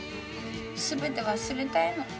全て忘れたいの。